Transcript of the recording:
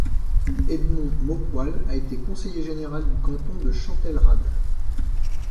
Edmond Maupoil a été conseiller général du canton de Chantelle Rad.